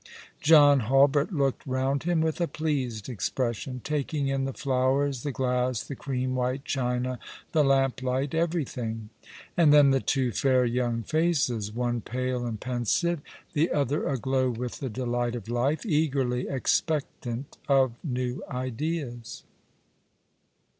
John Hulbert looked round him with a pleased expression, taking in the flowers, the glass, the cream white china, the lamplight, everything ; and then the two fair young faces, one pale and pensive, the other aglow with the delight of life, eagerly expectant of new ideas.